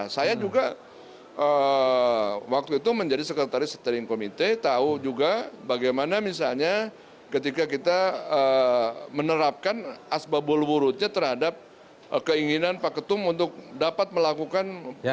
saya juga waktu itu menjadi sekretaris komite tahu juga bagaimana misalnya ketika kita menerapkan asbabul wurutnya terhadap keinginan pak ketum untuk dapat melakukan